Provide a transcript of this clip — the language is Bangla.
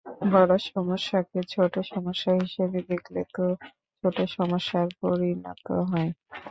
বড় সমস্যাকে ছোট সমস্যা হিসেবে দেখলে তা ছোট সমস্যায় পরিণত হয়।